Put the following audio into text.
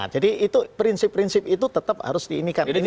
jadi itu prinsip prinsip itu tetap harus diinikan